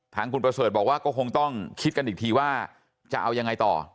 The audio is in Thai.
ทางคุณประเสริฐบอกว่าก็คงต้องคิดกันอีกทีว่าจะเอายังไงต่อ